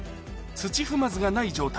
土踏まずがない状態